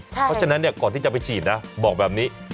เพราะฉะนั้นก่อนที่จะไปฉีดนะบอกแบบนี้